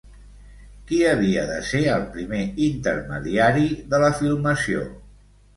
Qui havia de ser el primer intermediari de la filmació?